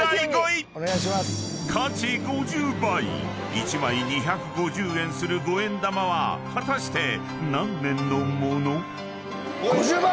［１枚２５０円する五円玉は果たして何年の物？］